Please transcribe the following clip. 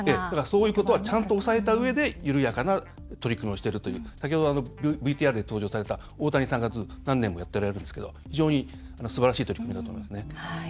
ちゃんと押さえたうえで緩やかな取り組みをしているというＶＴＲで登場した大谷さんが何年もやられてることですが非常にすばらしい取り組みだと思いますね。